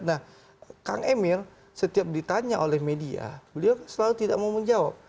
nah kang emil setiap ditanya oleh media beliau selalu tidak mau menjawab